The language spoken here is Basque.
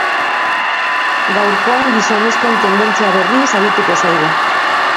Gaurkoan, gizonezkoen tendentzia berriez arituko zaigu.